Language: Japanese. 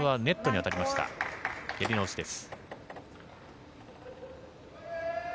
やり直しです。